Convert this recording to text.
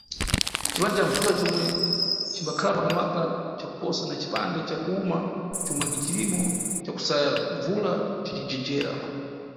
Cipande ca mbvula comwe cimbakhala maka-maka cakupsa na cipande ca kuwuma comwe ni cirimo cakusaya mbvula cici jejera.